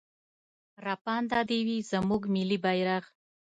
راپانده دې وي زموږ ملي بيرغ.